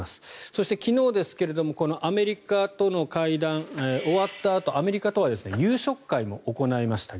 そして、昨日ですけれどもこのアメリカとの会談が終わったあと、アメリカとは夕食会も行いました。